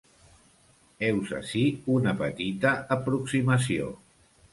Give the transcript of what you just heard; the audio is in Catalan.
Heus ací una petita aproximació.